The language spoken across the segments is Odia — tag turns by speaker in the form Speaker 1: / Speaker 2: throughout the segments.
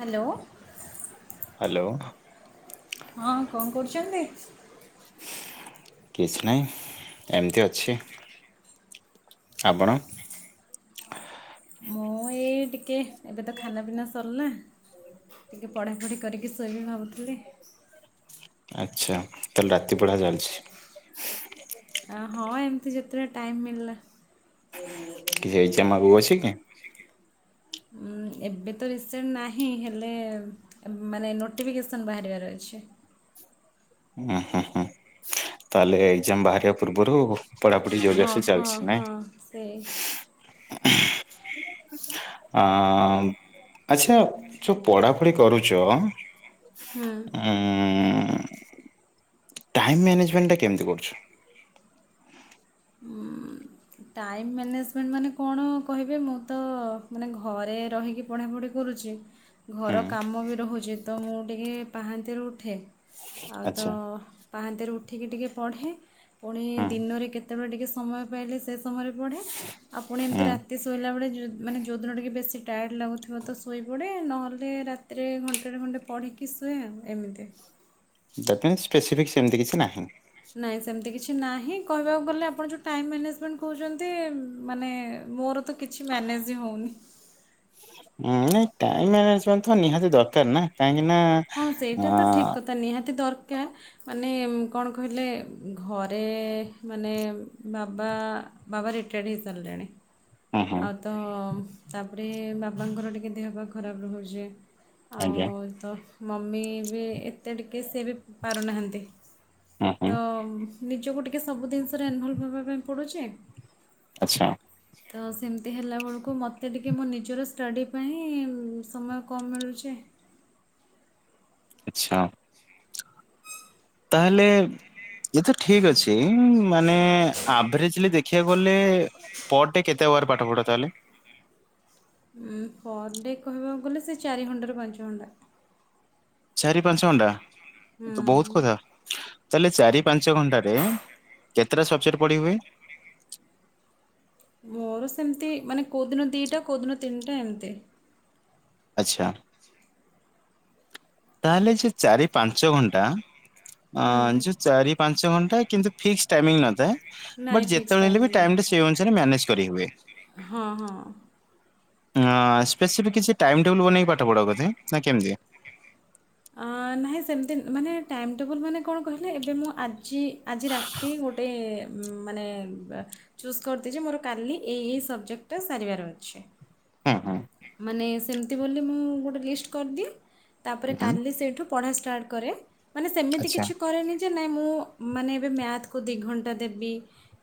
Speaker 1: ହାଲୋ।
Speaker 2: ହାଲୋ।
Speaker 1: ହଁ କଣ କରୁଚନ୍ତି?
Speaker 2: କିଛି ନାହିଁ ଏମିତି ଅଛି। ଆପଣ?
Speaker 1: ମୁଁ ଏଇ ଟିକେ ଏବେ ତ ଖାନା ପିନା ସରିଲା ଟିକେ ପଢା ପଢି କରିକି ଶୋଇବି ଭାବୁଥିଲି।
Speaker 2: ଆଛା ତାହେଲେ ରାତି ପଢା ଚାଲିଛି।
Speaker 1: ହଁ ଏମିତି ଯେତେବେଳେ ଟାଇମ୍ ମିଳିଲା।
Speaker 2: କିଛି ଏକ୍ଜାମ ଆଗକୁ ଅଛି କି?
Speaker 1: ଉଁ ଏବେ ତ ରିସେଣ୍ଟ ନାହିଁ ହେଲେ ମାନେ ନୋଟିଫିକେସନ୍ ବାହାରିବାର ଅଛି।
Speaker 2: ଉୁଁ ହୁଁ ହୁଁ ତାହେଲେ ଏକ୍ଜାମ ବାହାରିବା ପୂର୍ବରୁ ପଢାପଢି ଜୋର ଦାର
Speaker 1: ହଁ
Speaker 2: ସେ
Speaker 1: ହଁ
Speaker 2: ଚାଲିଛି ନାଇଁ?
Speaker 1: ହଁ ସେଇ
Speaker 2: ହଁ ଆଚ୍ଛା ଯୋଉ ପଢ଼ା ପଢ଼ି କରୁଚ
Speaker 1: ହୁଁ।
Speaker 2: ଉଁ ଟାଇମ୍ ମ୍ୟାନେଜମେଣ୍ଟ ଟା କେମିତି କରୁଚ?
Speaker 1: ହୁଁ। ଟାଇମ୍ ମ୍ୟାନେଜମେଣ୍ଟ ମାନେ କଣ କହିବେ ମୁଁ ତ ମାନେ ଘରେ ରହିକି ପଢାପଢି କରୁଚି।
Speaker 2: ହୁଁ
Speaker 1: ଘର କାମ ବି ରହୁଛି ତ ମୁଁ ଟିକେ ପାହାନ୍ତିଆ ରୁ ଉଠେ ଆଉ ତ
Speaker 2: ଆଚ୍ଛା
Speaker 1: ପାହାନ୍ତିଆରୁ ଉଠିକି ଟିକେ ପଢ଼େ ପୁଣି
Speaker 2: ହୁଁ
Speaker 1: ଦିନରେ କେତେବେଳେ ଟିକେ ସମୟ ପାଇଲେ ସେ ସମୟରେ ପଢେ ପୁଣ ଏମିତି
Speaker 2: ହୁଁ
Speaker 1: ରା ଏତେ ଶୋଇଲା ବେଳେ ଯୋ ମାନେ ଯୋଉଦିନ ଟିକିେ ବେଶୀ ଟାୟାଡ଼ ଲାଗୁଥିବ ତ ଶୋଇପଡ଼େ ନହେଲେ ରାତି ରାତିରେ ଘଣ୍ଟେ ଟେ ଘଣ୍ଟେ ପଢ଼ିକି ଶୁଏ ଏମିତି।
Speaker 2: ଦାଟିନ୍ସେ ସ୍ପେସିଫିକ୍ ସେମିତି କିଛି ନାହିଁ।
Speaker 1: ନାହିଁ ସେମିତି କିଛି ନାହିଁ କହିବାକୁ ଗଲେ ଆପଣ ଯେଉଁ ଟାଇମ୍ ମ୍ୟାନେଜମେଣ୍ଟ କହୁଛନ୍ତି ମାନେ ମୋର କିଛି ମ୍ୟାନେଜ୍ ହିଁ ହଉନି।
Speaker 2: ଉଁ ନାଇଁ ଟାଇମ୍ ମ୍ୟାନେଜମେଣ୍ଟ ତ ନିହାତି ଦରକାର ନା କାହିଁକି ନା
Speaker 1: ହଁ
Speaker 2: ଆ
Speaker 1: ସେଇଟା ତ ଠିକ୍ କଥା ନିହାତି ଦରକାର। ମାନେ କଣ କହିଲେ ଘରେ ମାନେ ବାବା ବାବା ରିଟାଡ୍ ହେଇ ସାରିଲେଣି।
Speaker 2: ହୁଁ ହୁଁ
Speaker 1: ଆଉ ତ ତାପରେ ବାବାଙ୍କର ଟିକେ ଦେହପା ଖରାପ ରହୁଚି।
Speaker 2: ଆଜ୍ଞା
Speaker 1: ଆଉ ତ ମମି ବି ଏତେ ଟିକେ ସିଏ ବି ପାରୁନାହାନ୍ତି।
Speaker 2: ହୁଁ ହୁଁ
Speaker 1: ତ ନିଜକୁ ଟିକେ ସବୁ ଜିନିଷରେ ଇନଭଲଭ୍ ହେ଼ବା ପାଇଁ ପଡୁଛି।
Speaker 2: ଆଚ୍ଛା।
Speaker 1: ତ ସେମିନ୍ତି ହେଲା ବେଳୁକୁ ମୋତେ ଟିକେ ମୋ ନିଜର ଷ୍ଟଡ଼ି ପାଇଁ ସମୟ କମ୍ ମିଳୁଚି।
Speaker 2: ଆଚ୍ଛା।
Speaker 1: [inaudible]
Speaker 2: ତାହେଲେ ଇଏତ ଠିକ୍ ଅଛି ଉଁ ମାନେ ଆଭେରେଜ୍ଲି ଦେଖିବାକୁ ଗଲେ ପର୍ ଡେ କେତେ ଆୱାର ପାଠ ପଢ଼ ତାହେଲେ?
Speaker 1: ଉଁ ପର୍ ଡେ କହିବାକୁ ଗଲେ ସେ ଚାରି ଘଣ୍ଟା ରୁ ପାଞ୍ଚ ଘଣ୍ଟା।
Speaker 2: ଚାରି ପାଞ୍ଚ ଘଣ୍ଟା,
Speaker 1: ହୁଁ
Speaker 2: ତ ବହୁତ କଥା। ତାହେଲେ ଚାରି ପାଞ୍ଚ ଘଣ୍ଟାରେ କେତେଟା ସବଜେକ୍ଟ ପଢି ହୁଏ?
Speaker 1: ମୋର ସେମିତି ମାନେ କୋଉ ଦିନ ଦିଇଟା କେଉ ଦିନ ତିନିଟା ଏମିତି।
Speaker 2: ଆଚ୍ଛା। ତାହେଲେ ଯୋଉ ଚାରି ପାଞ୍ଚ ଘଣ୍ଟା
Speaker 1: ହୁଁ
Speaker 2: ଅ ଯୋଉ ଚାରି ପାଞ୍ଚ ଘଣ୍ଟା କିନ୍ତୁ ଫିକ୍ସ ଟାଇମଙ୍ଗ ନଥାଏ
Speaker 1: ନାଇଁ
Speaker 2: ବଟ୍
Speaker 1: ଫିକ୍ସ
Speaker 2: ଯେତେବେଳେ ହେଲେ ବି
Speaker 1: ଟାଇମିଂ ନାହିଁ
Speaker 2: ଟାଇମ
Speaker 1: ହଁ, ହଁ।
Speaker 2: ଅ ସ୍ପେସିଫିକ୍ କିଛି ଟାଇମ୍ ଟେବୁଲ୍ ବନେଇକି ପାଠ ପଢ଼ା ବୋଧେ ନା କେମିତି?
Speaker 1: ନାହିଁ ସେମିତି ମାନେ ଟାଇମ୍ ଟେବୁଲ୍ ମାନେ କଣ କହିଲେ ଏବେ ମୁଁ ଆ ଜି ଆଜି ରାତି ଗୋଟେ ଉ ମାନେ ଚୁଜ୍ କରିଛି ତେ ମୋର କାଲି ଏଇ ଏଇ ସବଜେକ୍ଟ ଟା ସାରିବାର ଅଛି।
Speaker 2: ହଁ, ହଁ।
Speaker 1: ମାନେ ସେମିତି ବୋଲି ମୁଁ ଗୋଟେ ଲିଷ୍ଟ କରିଦିଏ ତାପରେ
Speaker 2: ହୁଁ
Speaker 1: କାଲି ସେଇଠୁ ପଢ଼ା ଷ୍ଟାର୍ଟ କରେ। ମାନେ ସେମିତି
Speaker 2: ଆଚ୍ଛା
Speaker 1: କିଛି କରେନି ଯେ ନାଇଁ ମୁଁ ମାନେ ଏବେ ମ୍ୟାଥ କୁ ଦିଇ ଘଣ୍ଟା ଦେବି।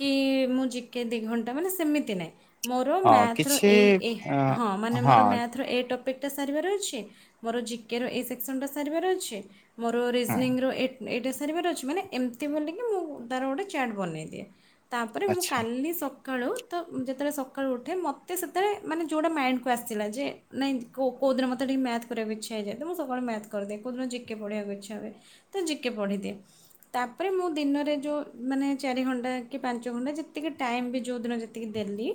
Speaker 1: କି ମୁଁ ଜିକେ ଦି ଘଣ୍ଟା ମାନେ ସେମିତି ନାହିଁ ମୋର
Speaker 2: ଅ
Speaker 1: ମ୍ୟାଥର
Speaker 2: କିଛି
Speaker 1: ଏଇ ଏଇ
Speaker 2: ଅ
Speaker 1: ହଁ ମାନେ ମୋର ମ୍ୟାଥର ଏଇ ଟପିକ ଟପିକ ସରିବାର ଅଛି ମୋର ଜିକେ ର ଏଇ ସେକ୍ସନଟା ସରିବାର ଅଛି, ମୋର ଜି କେ ର ଏହି ସେକ୍ସନଟା ସରିବାର ଅଛି। ମୋର
Speaker 2: ହଁ
Speaker 1: ରିଜନିଂ ର ଏଇ ଏଇଟା ସା ସାରିବାର ଅଛି ମାନେ ଏମିତି ବୋଲିକି ମୁଁ ତାର ଗୋଟେ ଚାଟ୍ ବନେଇଦିଏ ତାପରେ ମୁଁ
Speaker 2: ଆଚ୍ଛା
Speaker 1: କାଲି ସକାଳେ ସକାଳୁ ତ ଯେତେବେଳେ ସକାଳୁ ଉଠେ ମୋତେ ସେତେବେଳେ ମାନେ ଯେଉଁଟା ମାଇଣ୍ଡକୁ ଆସିଲା ଯେ ନାଇଁ କୋଉ ଦିନ ମୋତେ ଟିକେ ମ୍ୟାଥ କରିବାକୁ ଇଚ୍ଛା ହେଇଯାଏ ତ ମୁଁ ସକାଳେ ମ୍ୟାଥ କରିଦିଏ କୋଉଁଦିନ ଜିକେ ପଢ଼ିବାକୁ ଇଚ୍ଛା ହୁଏ ତ ଜିକେ ପଢ଼ିଦିଏ। ତାପରେ ମୁଁ ଦିନରେ ଯେଉଁ ମାନେ ଚାରି ଘଣ୍ଟା କି ପାଞ୍ଚ ଘଣ୍ଟା ଯେତିକି ଟାଇମ୍ ବି ଯେଉଁଦିନ ଯେ ତିକି ଦେଲି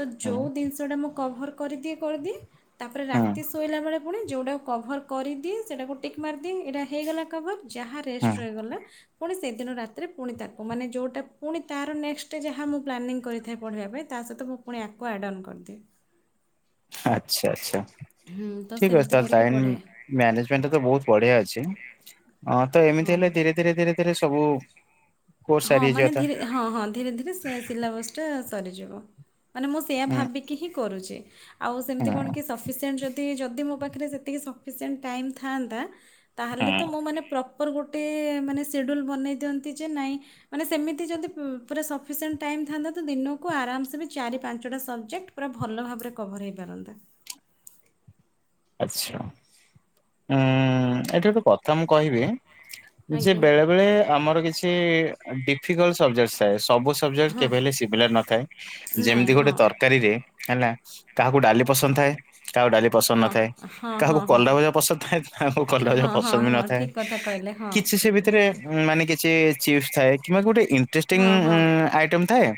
Speaker 1: ତ
Speaker 2: ହୁଁ
Speaker 1: ଯୋଉ ଜିନିଷ ଟା ମୁଁ କଭର କରିଦିଏ କରିଦିଏ। ତାପରେ
Speaker 2: ହୁଁ
Speaker 1: ରାତି ଶୋଇଲା ବେଳେ ପୁଣି ଯେଉଁଟାକୁ କଭର୍ କରିଦିଏ ସେଇଟାକୁ ଟିକ୍ ମାରିଦିଏ ଏଇଟା ହେଇଗଲା କଭର୍। ଯାହା
Speaker 2: ହୁଁ
Speaker 1: ରେଷ୍ଟ ରହିଗଲା ପୁଣି ସେହିଦିନ ରାତିରେ ପୁଣି ତାକୁ ମାନେ ଯେଉଁଟା ପୁଣି ତାର ନେକ୍ସଟ ଡେ ଯାହା ମୁଁ ପ୍ଲାନିଂ କରିଥାଏ ପଢ଼ିବା ପାଇଁ ତା ସହିତ ମୁଁ ପୁଣି ୟାକୁ ଆଡ଼ନ କରିଦିଏ।
Speaker 2: ଆଚ୍ଛା, ଆଚ୍ଛା।
Speaker 1: ହୁଁ ତ
Speaker 2: ଠିକ୍ ଅଛି
Speaker 1: ସେମିତି
Speaker 2: ତାହେଲେ
Speaker 1: କରିକି
Speaker 2: ଟାଇମ୍
Speaker 1: ପଢ଼େ।
Speaker 2: ମ୍ୟାନେଜମେଣ୍ଟ ତ ବହୁତ ବଢ଼ିଆ ଅଛି ଆ ତ ଏମିତି
Speaker 1: ହଁ
Speaker 2: ହେଲେ ଧୀରେ ଧୀରେ ଧୀରେ ଧୀରେ ସବୁ କୋର୍ସ
Speaker 1: ହଁ
Speaker 2: ସାରି ହେଇଯିବା
Speaker 1: ମାନେ
Speaker 2: କଥା
Speaker 1: ଧୀରେ ହଁ ହଁ ଧୀରେ ଧୀରେ ସିଲାବସ ସରିଯିବ ମାନେ ମୁଁ ସେଇୟା
Speaker 2: ହୁଁ
Speaker 1: ଭାବିକି ହିଁ କରୁଛି। ଆଉ
Speaker 2: ହୁଁ
Speaker 1: ସେମିତି କଣ କି ସଫିସିଏଣ୍ଟ ଯଦି ଯଦି ମୋ ପାଖରେ ସେତିକି ସଫିସିଏଣ୍ଟ ଟାଇମ୍ ଥାଆନ୍ତା ତାହେଲେ
Speaker 2: ହୁଁ।
Speaker 1: ତ ମୁଁ ମାନେ ପ୍ରପର୍ ଗୋଟେ ମାନେ ସେଡ୍ୟୁଲ୍ ବନେଇ ଦିଅନ୍ତି ଯେ ନାଇଁ ମାନେ ସେମିତି ଯଦି ପୁରା ସଫିସିଏଣ୍ଟ ଟାଇମ୍ ଥାଆନ୍ତା ତ ଦିନକୁ ଆରାମସେ ବି ଚାରି ପାଞ୍ଚଟା ସବଜେକ୍ଟ ପୁରା ଭଲ ଭାବରେ କଭର ହୋଇପାରନ୍ତା।
Speaker 2: ଆଚ୍ଛା, ଉଁ ଏଇଠି ଗୋଟେ କଥା ମୁଁ କହିବି ଯେ
Speaker 1: ଆଜ୍ଞା
Speaker 2: ବେଳେ ବେଳେ ଆମର କିଛି କି ଡିଫିକଲ୍ଟ ସବଜେକ୍ଟ ସବୁ ସବଜେକ୍ଟ
Speaker 1: ହଁ
Speaker 2: କେବେ ହେଲେ ସିମିଲାର ନଥାଏ
Speaker 1: ନାଇଁ
Speaker 2: ଯେମିତି ଗୋଟେ
Speaker 1: ହଁ
Speaker 2: ତରକାରୀରେ ହେଲା କାହାକୁ ଦଳି ପସନ୍ଦ ଥାଏ କାହାକୁ ଡ଼ାଲି ପସନ୍ଦ
Speaker 1: ହଁ
Speaker 2: ନଥା ଥାଏ
Speaker 1: ହଁ
Speaker 2: କାହାକୁ
Speaker 1: ହଁ ହଁ।
Speaker 2: କଲରା ଭଜା ପସନ୍ଦ ଥାଏ କାହାକୁ କଲରା ଭଜା
Speaker 1: ହଁ ହଁ
Speaker 2: ପସନ୍ଦ ବି
Speaker 1: ହଁ
Speaker 2: ନଥାଏ
Speaker 1: ଠିକ୍ କଥା କହିଲେ ହଁ
Speaker 2: କିଛି ସେ ଭିତରେ ମାନେ କିଛି ଚିପ୍ସ ଥାଏ କିମ୍ବା ଗୋଟେ ଇଣ୍ଟରେଷ୍ଟିଂ
Speaker 1: ହଁ ହଁ।
Speaker 2: ଆଇଟମ ଥାଏ।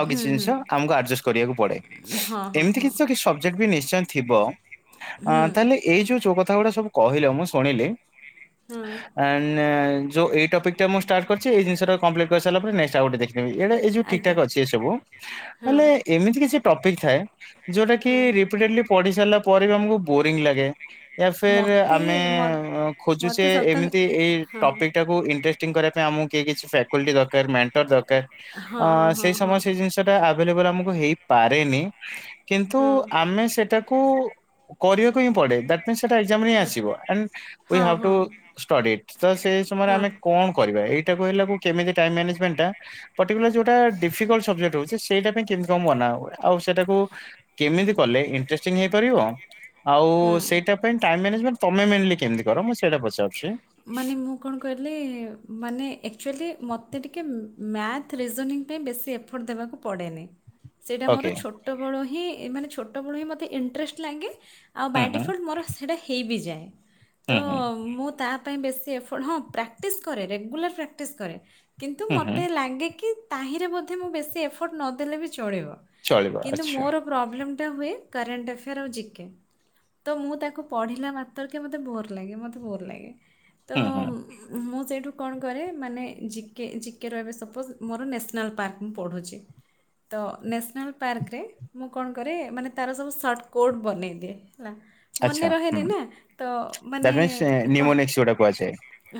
Speaker 2: ଆଉ
Speaker 1: ହୁଁ
Speaker 2: କିଛି
Speaker 1: ହୁଁ
Speaker 2: ଜିନିଷ ଆମକୁ ଆଡ଼ଜଷ୍ଟ କରିବାକୁ ପଡ଼େ
Speaker 1: ହଁ ହଁ
Speaker 2: ଏମିତି
Speaker 1: ହଁ
Speaker 2: କିଛି ତ କିଛି ସ ସବଜେକ୍ଟ ବି ନିଶ୍ଚୟ ଥିବ
Speaker 1: ହୁଁ
Speaker 2: ଅଁ ତାହାଲେ ଏଇ ଯୋଉ ଯୋଉ କଥା ଗୁଡ଼ା ସବୁ କହିଲ ମୁଁ ଶୁଣିଲି।
Speaker 1: ହୁଁ।
Speaker 2: ଆଣ୍ଡ ନା ଯୋଉ ଏଇ ଟପିକ୍ ଟା ମୁଁ ଷ୍ଟାର୍ଟ କରିଛି ଏଇ ଜିନିଷଟାକୁ କମ୍ପ୍ଲିଟ କରିସାରିଲା ପରେ ନେକ୍ସଟ ଆଉ ଗୋଟେ ଦେଖ ଦେଖିବି ଏଇଟା ଏଇ ଯୋଉ ଠିକ
Speaker 1: ଆଜ୍ଞା
Speaker 2: ଠାକ୍ ଅଛି ଏ ସବୁ
Speaker 1: ହଁ
Speaker 2: ହେଲେ ଏମିତି କିଛି ଟପିକ୍ ଥାଏ। ଯୋଉଟା କି
Speaker 1: ହଁ
Speaker 2: ରିପିଟେଡଲି ପଢ଼ି ସାରିଲା ପରେ ବି ଆମକୁ ବୋରିଙ୍ଗ ଲାଗେ। ୟା ଫିର୍
Speaker 1: ମୋତେ
Speaker 2: ଆମେ
Speaker 1: ମ
Speaker 2: ଅ ଖୋଜୁଛେ
Speaker 1: ମୋତେ ସତ
Speaker 2: ଏମିତି ଏଇ
Speaker 1: ହଁ
Speaker 2: ଟପିକ ଟାକୁ ଇଣ୍ଟରେ ଟିଙ୍ଗ କରିବା ପାଇଁ ଆମକୁ କେହି କିଛି ଫ୍ୟାକଲ୍ଟି ଦରକାର ମେଣ୍ଟର ଦରକାର
Speaker 1: ହଁ
Speaker 2: ଅଁ
Speaker 1: ହଁ
Speaker 2: ସେଇ
Speaker 1: ହଁ ହଁ
Speaker 2: ସମୟ ସେଇ ଜିନି ସେଟା ଆଭେଲେବଲ ଆମକୁ ହେଇପାରେନି କିନ୍ତୁ
Speaker 1: ହଁ ହଁ
Speaker 2: ଆମେ ସେଟାକୁ। କରିବାକୁ ହିଁ ପଡେ ଦ୍ୟା ନାଇ ସେଟା ଏକ୍ଜାମ୍ ରେ ହିଁ ଆସିବ ଆଣ୍ଡ ୱି ହାବ୍
Speaker 1: ହଁ
Speaker 2: ଟୁ ଷ୍ଟଡି ଇଟ ତ ସେଇ ସମୟରେ
Speaker 1: ହଁ
Speaker 2: ଆମେ। କଣ କରିବା ଏଇଟାକୁ ହେଲାକୁ କେମିତି ଟାଇମ ମ୍ୟାନେଜ ମେଣ୍ଟ ଟା। ପଟିକୁଲାର ଯୋଉଟା ଡିଫିକଲ୍ଟ ସବଜେକ୍ଟ ହଉଛି ସେଇଟା ପାଇଁ କେମିତି କଣ ବନା ହୁଏ ଆଉ ସେଟାକୁ? କେମିତି କଲେ ଇଣ୍ଟରେଷ୍ଟିଂ ହେଇପାରିବ।
Speaker 1: କରି।
Speaker 2: ଆଉ ସେଇଟା ପାଇଁ ଟାଇମ ମ୍ୟାନେଜମେଣ୍ଟ ତମେ ମେନଲି କେମିତି କର ମୁଁ ସେଇଟା ପଚାରୁଛି।
Speaker 1: ମାନେ ମୁଁ କଣ କହିଲେ ମାନେ ଏକଚୁଲି ମତେ ଟିକେ ଉଁ ମ୍ୟା ଥ ରେଜୋନିଙ୍ଗ ପାଇଁ ବେଶୀ ଏଫର୍ଟ ଦେବାକୁ ପଡ଼େନି। ସେଇଟା ମୋର
Speaker 2: ଓକେ
Speaker 1: ଛୋଟବେଳ ହିଁ ମାନେ ଛୋଟବେଳୁ ହିଁ ମୋତେ ଇଣ୍ଟରେଷ୍ଟ ଲାଗେ। ଆଉ
Speaker 2: ହୁଁ
Speaker 1: ବାଏ
Speaker 2: ହୁଁ
Speaker 1: ଡିଫଲ୍ଟ ମୋର ସେଇଟା ହେଇ ବିଯାଏ
Speaker 2: ହୁଁ
Speaker 1: ତ
Speaker 2: ହୁଁ
Speaker 1: ମୁଁ ତା। ପାଇଁ ବେଶୀ ଏଫ୍ ହଁ ପ୍ରାକ୍ଟିସ୍ କରେ ରେଗୁଲାର ପ୍ରାକ୍ଟିସ୍ କରେ କିନ୍ତୁ
Speaker 2: ହୁଁ ହୁଁ
Speaker 1: ମୋତେ ଲାଗେ କି। ତାହିଁରେ ବୋଧେ ମୁଁ ବେଶୀ ଏଫର୍ଟ ନ ଦେଲେ ବି ଚଳିବ
Speaker 2: ଚଳିବ
Speaker 1: କିନ୍ତୁ
Speaker 2: ଆଚ୍ଛା
Speaker 1: ମୋର। ପ୍ରୋବ୍ଲେମ ଟା ହୁଏ କରେଣ୍ଟ ଆଫେୟାର ଆଉ ଜି କେ। ତ ମୁଁ ତାକୁ ପଢ଼ିଲା ମାତ୍ରକେ ମୋତେ ବୋର୍ ଲାଗେ ମୋତେ ବୋର ଲାଗେ ତ
Speaker 2: ହୁଁ ହୁଁ
Speaker 1: ଉଁ ମୁଁ ସେଇଠୁ କଣ କରେ ମାନେ ଜି କେ ଜି କେ ର ଏବେ ସପୋଜ ମୋର ନେସନାଲ ପାର୍କ ମୁଁ ପଢୁଛି। ତ ନେସନାଲ୍ ପାର୍କରେ। ମୁଁ କଣ କରେ ମାନେ ତାର ସବୁ ସର୍ଟ କୋଡ ବନେଇ ଦିଏ ହେଲା।
Speaker 2: ଆଚ୍ଛା
Speaker 1: ମନେ
Speaker 2: ହୁଁ
Speaker 1: ରହେନି ନା ତ ମାନେ କଣ।
Speaker 2: କିଛି ଗୋଟା କୁହାଯାଏ।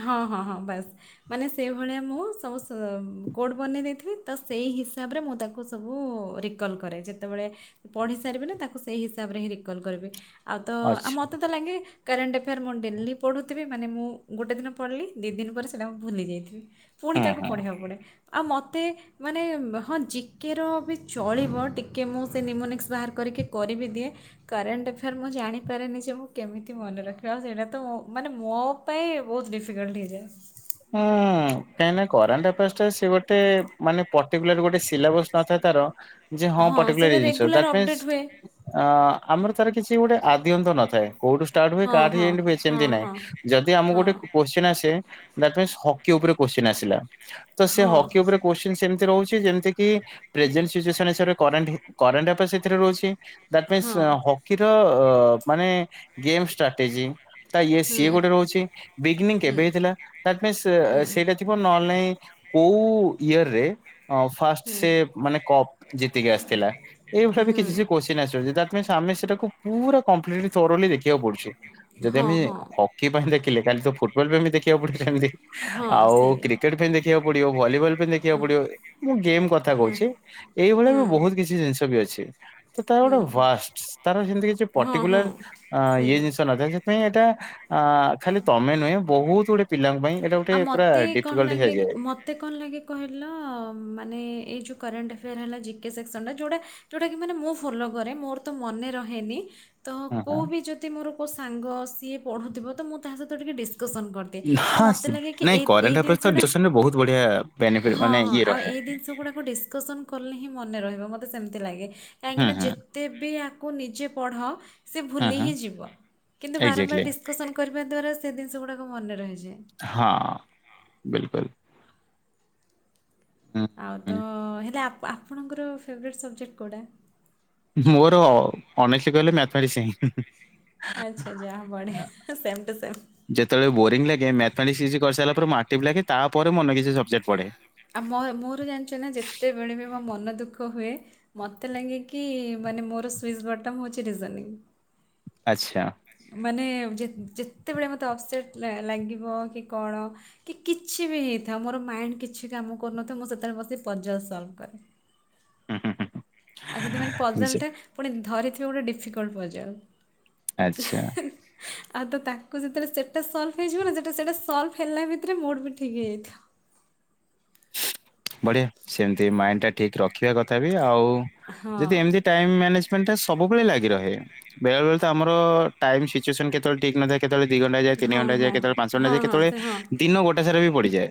Speaker 1: ହଁ ହଁ ହଁ ବାସ୍। ମାନେ ସେଇଭଳିଆ ମୁଁ ସବୁ ସମ୍ କୋଡ ବନେଇ ଦେଇଥିବି ତ ସେଇ ହିସାବରେ ମୁଁ ତା କୁ ସବୁ ରିକଲ କରେ ଯେତେବେଳେ ପଢି ସାରିବି ନା ତାକୁ ସେଇ ହିସାବରେ ହିଁ ରିକଲ କରିବି। ଆଉ ତ ଆଉ
Speaker 2: ଆଚ୍ଛା
Speaker 1: ମୋତେ ତ ଲାଗେ କରେଣ୍ଟ୍ ଆଫେୟାର୍ ମୁଁ ଡେଲି ପଢ଼ୁଥିବି। ମାନେ ମୁଁ ଗୋଟେ ଦିନ ପଢିଲି ଦି ଦିନ ପରେ ସେଇଟା ମୁଁ ଭୁଲି ଯାଇଥିଲି ପୁଣି
Speaker 2: ହୁଁ
Speaker 1: ତାକୁ
Speaker 2: ହୁଁ
Speaker 1: ପଢ଼ିବାକୁ ପଡ଼େ। ଆଉ ମୋତେ। ମାନେ ହଁ ଜି କେ ର ବି ଚଳିବ ଟିକେ ମୁଁ ସେ ନିମୋନିକ୍ସ ବାହାର କରିକି କରିବି ଦିଏ। କରେଣ୍ଟ ଆଫେୟାର ମୁଁ ଜାଣିପାରେନି ଯେ ମୁଁ କେମିତି ମନେ ରଖିବି ଆଉ ସେଇଟା ତ ଅ ମାନେ ମୋ ପାଇଁ ବହୁତ ଡିଫିକଲ୍ଟ ହେଇଯାଏ।
Speaker 2: ହୁଁ କାହିଁକି ନା କରେଣ୍ଟ ଆଫେୟାରଟା ସେ ଗୋଟେ ମାନେ ପର୍ଟିକୁଲାର ଗୋଟେ ଶିଲାବସ୍ ନଥାଏ ତାର। ଯେ ହଁ ପଟିକୁଲାର
Speaker 1: ସେଇଟା
Speaker 2: ଏଇ ଜିନିଷ
Speaker 1: ରେଗୁଲାର
Speaker 2: ଦ୍ୟାଟ ମିନ୍ସ।
Speaker 1: ଅପଡ଼େଟ୍ ହୁଏ
Speaker 2: ଆଁ ଆମର ତାର କିଛି ଗୋଟେ ଆଦି ଅନ୍ତ ନଥାଏ କୋଉଠୁ ଷ୍ଟାର୍ଟ ହୁଏ
Speaker 1: ହଁ
Speaker 2: କାହାଠି
Speaker 1: ହଁ
Speaker 2: ଏଣ୍ଡ ହୁଏ
Speaker 1: ହଁ
Speaker 2: ସେମିତି ନାଇଁ
Speaker 1: ହଁ
Speaker 2: ଯଦି ଆମକୁ
Speaker 1: ହଁ
Speaker 2: ଗୋଟେ କ କୋଶଚିନ୍ ଆସେ। ଦ୍ୟାଟ ମିନ୍ସ ହକି ଉପରେ କୋଶ୍ଚିନ୍ ଆସିଲା ତ ସେ
Speaker 1: ହଁ
Speaker 2: ହକି ଉପରେ କୋଶ୍ଚିନ୍ ସେମିତି ରହୁଛି ଯେମିତି କିି। ପ୍ରେଜେଣ୍ଟ ସିଚୁଏସନ ହିସାବ ରେ କରେଣ୍ଟ ହି କରେଣ୍ଟ ଆଫେୟାର ସେଥିରେ ରହୁଛି। ଦ୍ୟାଟ ମିନ୍ସ
Speaker 1: ହଁ
Speaker 2: ଅଁ ହକିର ଅ ମାନେ ଗେମ୍ ଷ୍ଟ୍ରାଟେଜି। ତା ଇଏ
Speaker 1: ହୁଁ
Speaker 2: ସିଏ ଗୋଟେ ରହୁଛି ବିଗିନିଙ୍ଗ
Speaker 1: ହୁଁ
Speaker 2: କେବେ ହେଇଥିଲା ଦ୍ୟାଟ୍ ମିନ୍ସ
Speaker 1: ହୁଁ
Speaker 2: ଅ ସେଇଟା ଥି ଥିବ ନହେଲେ ନାଇ କଉ ଇୟରରେ ଅଁ ଫାର୍ଷ୍ଟ
Speaker 1: ହୁଁ
Speaker 2: ସେ ମାନେ କପ ଜିତିକି ଆସିଥିଲା ଏଇଭଳିଆ ବି
Speaker 1: ହୁଁ
Speaker 2: କିଛି ସେ କୋଷ ଚିନ ଆସିବ ଯେ ଦ୍ୟାଟ ମିନ୍ସ ଆମେ ସେଟାକୁ ପୁରା କମ୍ପ୍ଲିଟଲି ଥୋରୋଲି ଦେଖିବାକୁ ପଡୁଛି ଯଦି
Speaker 1: ହଁ
Speaker 2: ଆମେ
Speaker 1: ହଁ
Speaker 2: ହ ହକି ପାଇଁ ଦେଖିଲେ କାଲି ତ ଫୁଟବଲ ପାଇଁ ବି ଦେଖିବାକୁ ପଡ଼ିବ ସେମିତି
Speaker 1: ହଁ
Speaker 2: ଆଉ
Speaker 1: ସେଇ
Speaker 2: କ୍ରିକେଟ୍ ପାଇଁ ଦେ [unintelligible] ପଡ଼ିବ ଭଲିବଲ ଦେଖିବାକୁ ପଡିବ ମୁଁ ଗେମ୍ କଥା କହୁଛି ଏଇଭଳିଆ
Speaker 1: ହୁଁ
Speaker 2: ବି ବହୁତ କିଛି ଜିନିଷ ବି ଅଛି। ତ ତା ଗୋଟେ
Speaker 1: ହୁଁ
Speaker 2: ୱାଷ୍ଟ ତାର ସେମିତି କିଛି
Speaker 1: ହଁ ହଁ
Speaker 2: ପର୍ଟିକୁଲାର
Speaker 1: ସେଇ
Speaker 2: ଇଏ ଜିନିଷ ନଥାଏ ପାଇଁ ଏଇଟା ଖାଲି ତମେ ନୁହେଁ ବହୁତ ଗୁଡେ ପିଲାଙ୍କ ପାଇଁ ଏଇଟା ଗୋଟେ
Speaker 1: ଆଉ
Speaker 2: ପୁରା
Speaker 1: ମୋତେ କଣ
Speaker 2: ଡିଫିକଲ୍ଟ
Speaker 1: ଲାଗେ
Speaker 2: ହେଇଯାଏ।
Speaker 1: ମୋତେ କଣ ଲାଗେ କହିଲ ମନେଲ ଯୋଉ କରେନଟ ଏଫେୟାର ହେଲା ଜି କେ ସେକ୍ସନ ଟା ଯୋଉଟା ଯୋଉଟା କି ମାନେ ମୁଁ ଫଲୋ କରେ ମୋର ତ ମନେ ରହେନି। ତ
Speaker 2: ହଁ
Speaker 1: କଉ
Speaker 2: ହଁ।
Speaker 1: ବି ଯଦି ମୋର କଉ ସାଙ୍ଗ ସିଏ ପଢ଼ୁଥିବ ତ ମୁଁ ତା ସହିତ ଟିକେ ଡିସ୍କସନ୍ କରିଦି ଆଉ
Speaker 2: ହଁ
Speaker 1: ମତେ ମତେ
Speaker 2: ସି-
Speaker 1: ଲାଗେ କି
Speaker 2: ନାଇଁ
Speaker 1: ଏଇ
Speaker 2: କରେଣ୍ଟ
Speaker 1: ଏଇ
Speaker 2: ଆଫେୟାର୍ସ
Speaker 1: ଜିନିଷ
Speaker 2: ତ
Speaker 1: ଟା
Speaker 2: ଡିସକସନ ରେ ବହୁତ ବଢିଆ ବେନିଫିଟ
Speaker 1: ହଁ
Speaker 2: ମାନେ
Speaker 1: ହଁ
Speaker 2: ଇଏ
Speaker 1: ଆଉ
Speaker 2: ରହେ।
Speaker 1: ଏଇ ଜିନିଷ ଗୁଡାକ ଡିସ୍କସନ କଲେ ହିଁ ମନେ ରହିବ ମୋତେ ସେମିତି ଲାଗେ
Speaker 2: ହୁଁ
Speaker 1: କାହିଁକିନା
Speaker 2: ହୁଁ
Speaker 1: ଯେ ତେବେ ଆକୁ ନିଜେ ପଢ ସେ
Speaker 2: ହୁଁ
Speaker 1: ଭୁଲି
Speaker 2: ହୁଁ
Speaker 1: ହିଁ ଯିବ କିନ୍ତୁ
Speaker 2: ଏକ୍ଜାକ୍ଟଲି
Speaker 1: ବାରମ୍ବାର କରିବା ଦ୍ଵାରା ସେ ଜିନିଷ ଗୁଡାକ ମନେ ରହିଯାଏ।
Speaker 2: ହଁ ବିଲକୁଲ। ହୁଁ
Speaker 1: ଆଉ ତ
Speaker 2: ହୁଁ।
Speaker 1: ହେଲେ ଆପ ଆପଣଙ୍କର ଫେବରେଟ୍ ସବଜେକ୍ଟ କଉଟା?
Speaker 2: ମୋର ଅନେଷ୍ଟି କହିଲେ ମିଆଥମେଟିସ।
Speaker 1: ବଢିଆ ସେମ୍ ଟୁ ସେମ୍।
Speaker 2: ଯେତେବେଳେ ବୋରିଂ ଲାଗେ ମଥମେଟିକସ କିଛି କରିସାରିଲା ପରେ ମୁ ଆକଟିଭ ଲାଗେ ତାପରେ ମୁଁ ଅନ୍ୟ କିଛି ସବଜେକ୍ଟ ପଢେ।
Speaker 1: ଆଉ ମୋ ମୋର ଜାଣିଛ ନା ଯେତେବେଳେ ବି ମୋ ମନ ଦୁଃଖ ହୁଏ ମତେ ଲାଗେ କିି ମାନେ ମୋର ସୁଇଜ ବଟମ ହଉଛି ରିଜନିଂ
Speaker 2: ଆଛା।
Speaker 1: ମାନେ ଯେତ ଯେତେବେଳେ ମୋତେ ଅପସେଟ୍ ଲା ଲାଗିବ କି କଣ କି କିଛି ବି ହେଇଥାଉ ମୋର ମାଇଣ୍ଡ କିଛି କାମ କରୁନଥିବ ମୁଁ ସେତେବେଳେ ବସିି ପଜଲ ସଲଭ କରେ।
Speaker 2: ହୁଁ ହୁଁ
Speaker 1: ଆଉ ଯଦି ମାନେ
Speaker 2: ହୁଁ ଯେ
Speaker 1: ପଜଲଟା ପୁଣି ଧରିଥିବେ ଗୋଟେ ଡିଫିକଲ୍ଟ ପଜଲ।
Speaker 2: ଆଛା।
Speaker 1: ଆଉ ତ ତାକୁ ଯେତେବେଳେ ସେଟା ସଲଭ ହେଇଯିବ ନା ସେଟା ସେଟା ସଲଭ ହେଲା ଭିତରେ ମୋର ବି ଠିକ୍ ହେଇଯାଇଥିବ।
Speaker 2: ବଢିଆ ସେମିତି ମାଇଣ୍ଡ ଟା ଠିକ ରଖିବା କଥା ବି ଆଉ ଯଦି ଏମତି-
Speaker 1: ହଁ
Speaker 2: ଟାଇମ ମ୍ୟାନେଜମେଣ୍ଟ ଟା ସବୁବେଳେ ଲାଗି ରହେ ବେଳେ ବେଳେ ତ ଆମର ଟାଇମ ସିଚୁଏସନ କେତେବେ ଠିକ ନଥାଏ କେତବେଳେ ଦି ଘଣ୍ଟା ଯାଏ ନି
Speaker 1: ହଁ
Speaker 2: ଘଣ୍ଟା ଯାଏ
Speaker 1: ହଁ
Speaker 2: କେତେଳେ ପାଞ୍ଚ ଘଣ୍ଟା
Speaker 1: ହଁ
Speaker 2: ଯାଏ
Speaker 1: ହଁ
Speaker 2: କେତେବେଳେ
Speaker 1: ସେ ହଁ
Speaker 2: ଦିନ ଗୋଟ ସାର ବି ପଡିଯାଏ।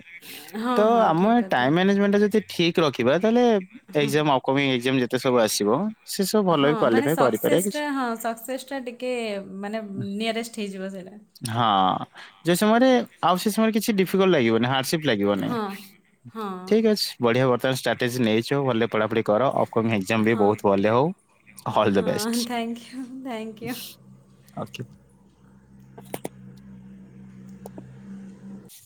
Speaker 1: ହଁ,
Speaker 2: ତ
Speaker 1: ହଁ।
Speaker 2: ଆମେ
Speaker 1: ଠିକ୍ କଥା
Speaker 2: ଟାଇ ମାନେଜମେଣ୍ଟା ଯଦି ଠିକ ରଖିବା ତାହେଲେ ଏକ୍ସାମ୍ ଅପ୍ କମିଂ ଏକ୍ସାମ ଯେତେ ସବୁ ଆସିବ। ସେ ସବୁ ଭଲ
Speaker 1: ହଁ
Speaker 2: ବି
Speaker 1: ମାନେ
Speaker 2: କ୍ୱାଲିଫାଏ କରିପାରିବା
Speaker 1: ସକ୍ସେସ
Speaker 2: କିଛି
Speaker 1: ଟା ହଁ ସକ୍ସେସ୍ ଟା ଟିକେ ମାନେ ନିୟରେଷ୍ଟ ହେଇଯିବ ସେଇଟା।
Speaker 2: ହଁ ଯେ ସମୟରେ ଆଉ ସେ ସମୟରେ କିଛି ଡିଫିକଲଟ ଲାଗିବନି ହାର୍ଡସିପ ଲାଗିବନି।
Speaker 1: ହଁ ହଁ
Speaker 2: ଠିକ୍ ଅଛି ବଢିଆ ବର୍ତ୍ତମାନ ଷ୍ଟ୍ରାଟେଜି ନେଇଚୁ ଭଲ ରେ ପଢାପଢି କର ଅପକମିଙ୍ଗ ଏକଜାମ ବି
Speaker 1: ହଁ
Speaker 2: ବହୁତ ଭଲ ହଉ। ଅଲ୍ ଦ
Speaker 1: ହଁ
Speaker 2: ବେଷ୍ଟ
Speaker 1: ଥ୍ୟାଙ୍କୟୁ, ଥ୍ୟାଙ୍କୟୁ।
Speaker 2: ଓ କେ